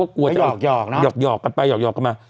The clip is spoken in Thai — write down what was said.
กลัวโยกกันไปโยกกันมา